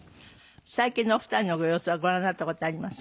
最近のお二人のご様子はご覧になった事あります？